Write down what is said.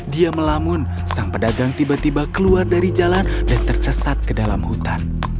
dia melamun sang pedagang tiba tiba keluar dari jalan dan tersesat ke dalam hutan